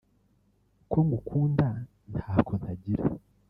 Ko ngukunda ntako ntagira